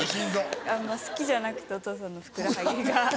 あんま好きじゃなくてお父さんのふくらはぎが。